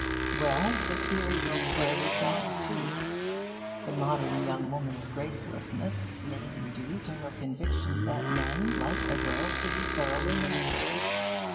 Well, the theory will square with that, too. The modern young woman's gracelessness may be due to her conviction that men like a girl to be thoroughly natural.